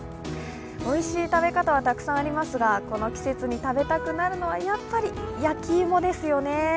おいしい食べ方はたくさんありますが、この季節に食べたくなるのは、やっぱり焼き芋ですよね。